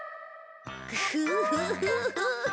グフフフ。